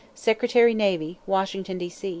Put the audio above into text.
Secretary Navy, Washington, D.